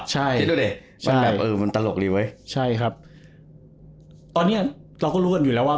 ใช่นึกด้วยมันตลกรีวเว้ยใช่ครับตอนนี้เราก็รู้กันอยู่แล้วว่า